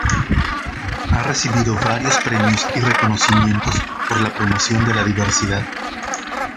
Ha recibido varios premios y reconocimientos por la promoción de la diversidad.